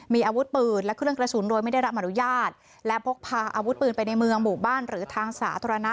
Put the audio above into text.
มีอาวุธปืนและเครื่องกระสุนโดยไม่ได้รับอนุญาตและพกพาอาวุธปืนไปในเมืองหมู่บ้านหรือทางสาธารณะ